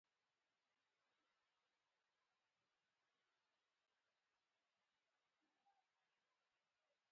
سود د محبت احساس له منځه وړي.